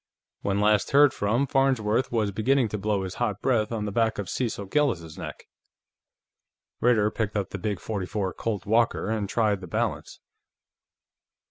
When last heard from, Farnsworth was beginning to blow his hot breath on the back of Cecil Gillis's neck." Ritter picked up the big .44 Colt Walker and tried the balance.